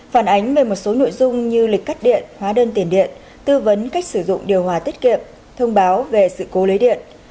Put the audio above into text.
phản ánh về một số nội dung như lịch cắt điện hóa đơn tiền điện tư vấn cách sử dụng điều hòa tiết kiệm thông báo về sự cố lưới điện